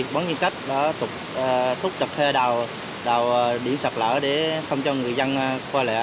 bán nhân cách đã thúc trật thê đào điểm sạt lở để không cho người dân qua lẽ